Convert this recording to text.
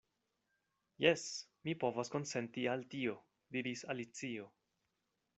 "Jes, mi povas konsenti al tio," diris Alicio.